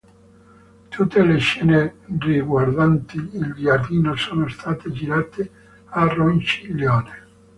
Tutte le scene riguardanti il giardino sono state girate a Ronciglione.